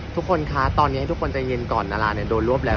ทุกคนคะตอนนี้ให้ทุกคนใจเย็นก่อนดาราโดนรวบแล้ว